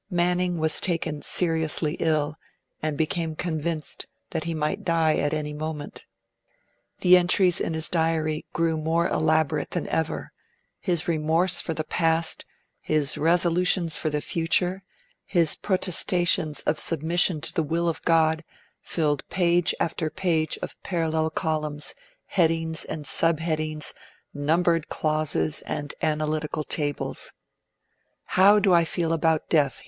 Manning was taken seriously ill, and became convinced that he might die at any moment. The entries in his Diary grew more elaborate than ever; his remorse for the past, his resolutions for the future, his protestations of submission to the will of God, filled page after page of parallel columns, headings and sub headings, numbered clauses, and analytical tables. 'How do I feel about Death?'